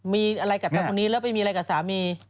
มีอะไรกับตาคนนี้แล้วไปมีอะไรกับสามี